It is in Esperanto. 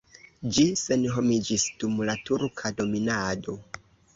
Ĝi senhomiĝis dum la turka dominado.